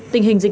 có thể thấy